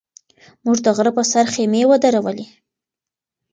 موږ د غره په سر خیمې ودرولې.